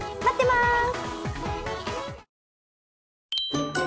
待ってます。